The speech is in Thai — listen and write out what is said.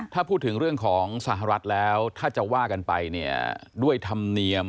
ถ้าพูดถึงเรื่องของสหรัฐแล้วถ้าจะว่ากันไปเนี่ยด้วยธรรมเนียม